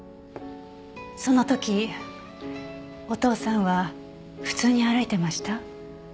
その時お父さんは普通に歩いてました？